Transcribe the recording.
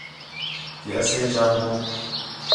کہ اَسے چاہوں